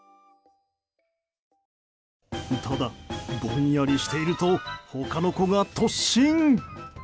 ただ、ぼんやりしていると他の子が突進。